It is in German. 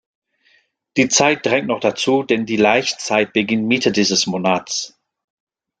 Die Zeit drängt noch dazu, denn die Laichzeit beginnt Mitte dieses Monats.